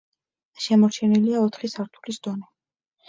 შემორჩენილია ოთხი სართულის დონე.